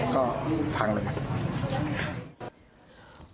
ก็พังเลยเอาไว้